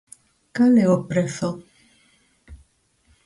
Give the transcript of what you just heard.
Cal é o prezo?